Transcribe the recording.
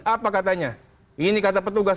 apa katanya ini kata petugas